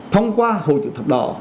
thông qua hội chủ thập đỏ